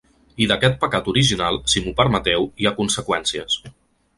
I d’aquest pecat original, si m’ho permeteu, hi ha conseqüències.